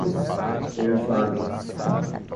Ervália